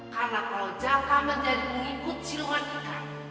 karena kalau jaka menjadi pengikut siluman ikan